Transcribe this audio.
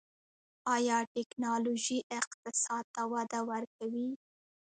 آیا ټیکنالوژي اقتصاد ته وده ورکوي؟